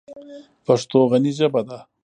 پښتو غني ژبه ده.